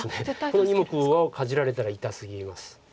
この２目をかじられたら痛すぎます。